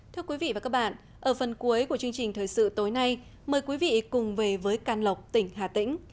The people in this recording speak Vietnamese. thưa quý vị và các bạn ở phần cuối của chương trình thời sự tối nay mời quý vị cùng về với can lộc tỉnh hà tĩnh